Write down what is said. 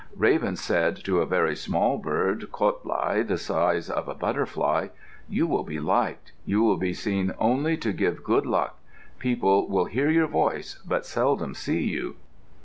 Raven said to a very small bird, Kotlai, the size of a butterfly, "You will be liked. You will be seen only to give good luck. People will hear your voice, but seldom see you."